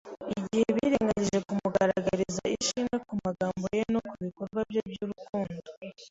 igihe birengagije kumugaragariza ishimwe ku magambo ye no ku bikorwa bye by'urukundo